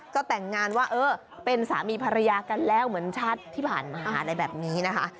ก็แต่งงานว่าเออเป็นสามีภรรยากันแล้วเหมือนชาติที่ผ่านมาอะไรแบบนี้นะคะ